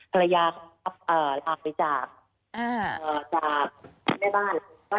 ภรรยากลับไปจากแม่บ้าน